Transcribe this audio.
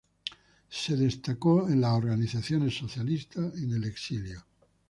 Se destacó en las organizaciones socialistas en el exilio.